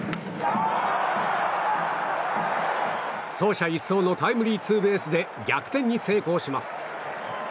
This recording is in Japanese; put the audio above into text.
走者一掃のタイムリーツーベースで逆転に成功します。